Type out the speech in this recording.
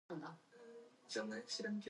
They had no family.